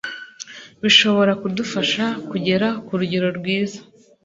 bishobora kudufasha kugera k' urugero rwiza